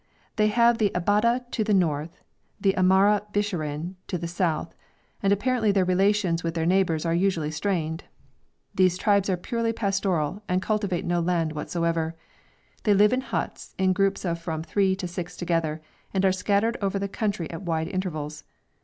They have the Ababdeh to the north, and the Amara Bisharin to the south, and apparently their relations with their neighbours are usually strained. These tribes are purely pastoral, and cultivate no land whatsoever. They live in huts in groups of from three to six together, and are scattered over the country at wide intervals.